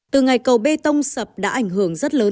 từ ngày cầu bê tông sập đã ảnh hưởng rất lớn